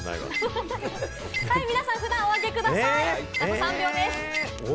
はい、皆さん札をお上げください。